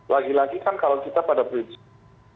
lagi lagi kan kalau kita pada prinsip